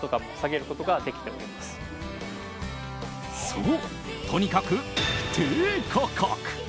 そう、とにかく低価格！